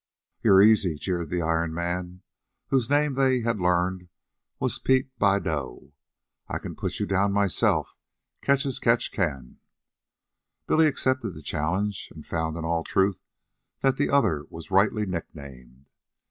"You're easy," jeered the Iron Man, whose name they had learned was Pete Bideaux. "I can put you down myself, catch as catch can." Billy accepted the challenge, and found in all truth that the other was rightly nicknamed.